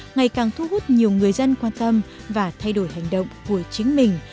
ngày càng thu hút nhiều người dân quan tâm và thay đổi hành động của chính mình